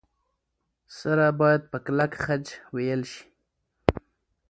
سره باید په کلک خج وېل شي.